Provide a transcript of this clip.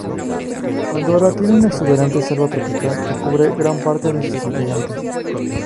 Pandora tiene una exuberante selva tropical, que cubre gran parte de sus continentes.